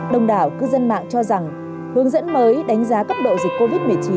đông đảo cư dân mạng cho rằng hướng dẫn mới đánh giá cấp độ dịch covid một mươi chín